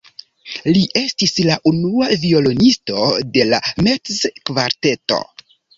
Li estis la unua violonisto de la Metz-kvarteto.